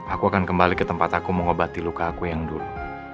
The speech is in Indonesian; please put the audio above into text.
aku akan kembali ke tempat aku mengobati luka aku yang dulu